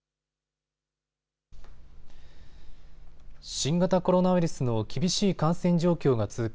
新型コロナウイルスの厳しい感染状況が続く